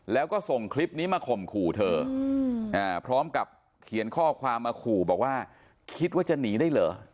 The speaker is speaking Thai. แล้วก็ส่งคลิปนี้มาข่มขู่เธอพร้อมกับเขียนข้อความมาขู่บอกว่าคิดว่าจะหนีได้เหรอ